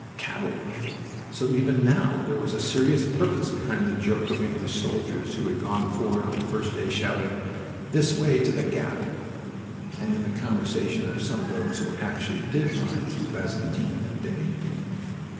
Cavalry!... So even now there was a serious purpose behind the joke of English soldiers who had gone forward on the first day, shouting, "This way to the gap!" and in the conversation of some of those who actually did ride through Bazentin that day.